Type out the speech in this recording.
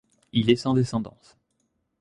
Il est sans descendance.